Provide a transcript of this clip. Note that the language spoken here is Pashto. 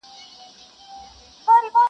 لاس یې مات وار یې خطا ګذار یې پوچ کړې-